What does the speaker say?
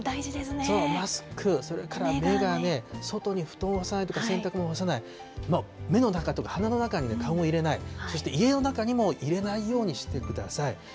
マスク、それから眼鏡、外に布団を干さないとか、洗濯物を干さない、目の中とか鼻の中に花粉を入れない、そして家の中にも入れないようにしてください。